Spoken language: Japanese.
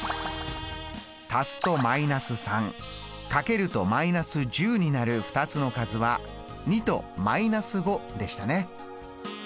足すと−３かけると−１０になる２つの数は２と−５でしたね。